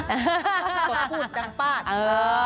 ก็พูดดังปาดเออ